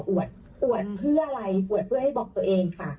อวดเพื่ออะไรอวดเพื่อให้บอกตัวเองค่ะ